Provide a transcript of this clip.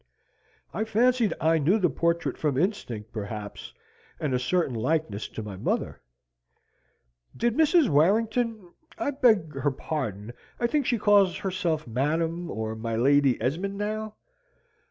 "I fancied I knew the portrait from instinct, perhaps, and a certain likeness to my mother." "Did Mrs. Warrington I beg her pardon, I think she calls herself Madam or my Lady Esmond now